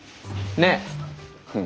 ねえ。